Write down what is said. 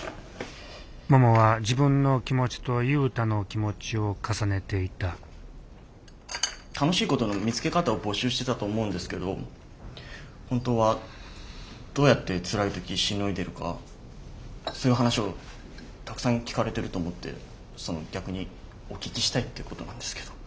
ももは自分の気持ちと雄太の気持ちを重ねていた楽しいことの見つけ方を募集してたと思うんですけど本当はどうやってつらい時しのいでるかそういう話をたくさん聞かれてると思ってその逆にお聞きしたいっていうことなんですけど。